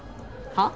「はっ？」